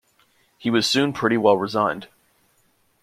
He was soon pretty well resigned.